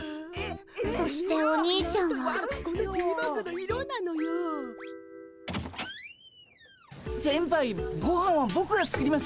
そしてお兄ちゃんは先輩ごはんはボクが作りますよ。